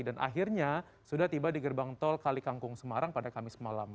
dan akhirnya sudah tiba di gerbang tol kalikangkung semarang pada kamis malam